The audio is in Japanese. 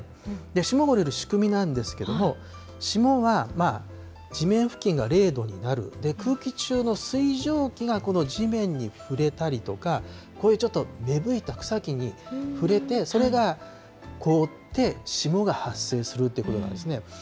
霜が降りる仕組みなんですけれども、霜は地面付近が０度になる、空気中の水蒸気がこの地面に触れたりとか、こういうちょっと芽吹いた草木に触れて、それが凍って霜が発生するっていうことなんですね。